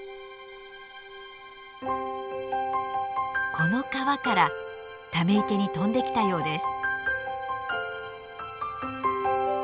この川からため池に飛んできたようです。